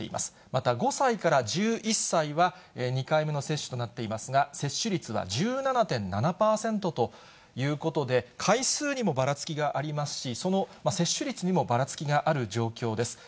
また５歳から１１歳は２回目の接種となっていますが、接種率は１７．７％ということで、回数にもばらつきがありますし、その接種率にもばらつきがある状況です。